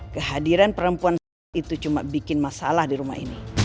kehadiran perempuan saat itu cuma bikin masalah di rumah ini